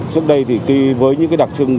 trước đây thì với những đặc trưng